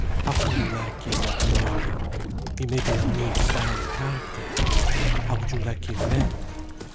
How can you like him, not knowing him? He may be a real bad character. How would you like him then?"